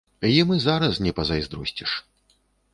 Ім і зараз не пазайздросціш.